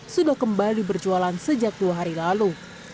sudah kembali berjualan sejak dua hari lalu